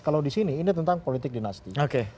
kalau disini ini tentang politik dinasti